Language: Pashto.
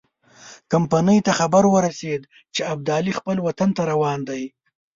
کمپنۍ ته خبر ورسېد چې ابدالي خپل وطن ته روان دی.